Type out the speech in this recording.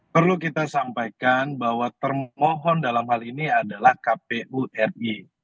perlu kita sampaikan bahwa termohon dalam hal ini adalah kpu ri